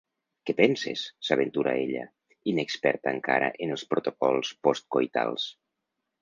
Què penses? —s'aventura ella, inexperta encara en els protocols postcoitals.